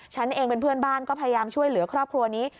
ฉันเองเป็นเพื่อนบ้านก็พยายามช่วยเหลือครอบครัวนี้